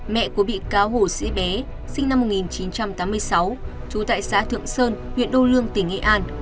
mẹ của bị cáo hồ sĩ bé sinh năm một nghìn chín trăm tám mươi sáu trú tại xã thượng sơn huyện đô lương tỉnh nghệ an